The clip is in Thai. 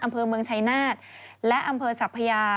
อำเภอเมืองชัยนาฏและอำเภอสัพพยา